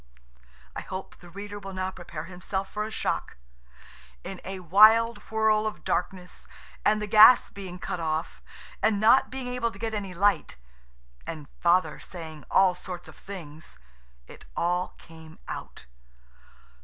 I hope the reader will now prepare himself for a shock. In a wild whirl of darkness, and the gas being cut off, and not being able to get any light, and Father saying all sorts of things, it all came out.